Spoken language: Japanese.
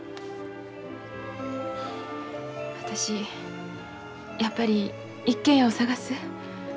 私やっぱり一軒家を探す。